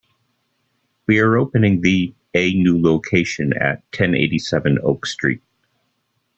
We are opening the a new location at ten eighty-seven Oak Street.